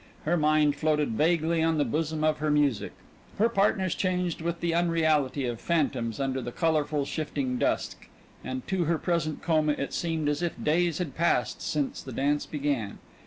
Her mind floated vaguely on the bosom of her music; her partners changed with the unreality of phantoms under the colorful shifting dusk, and to her present coma it seemed as if days had passed since the dance began.